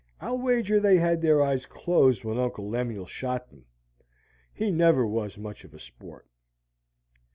I'll wager they had their eyes closed when Uncle Lemuel shot them. He never was much of a sport.